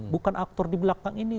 bukan aktor di belakang ini